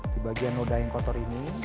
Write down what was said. di bagian noda yang kotor ini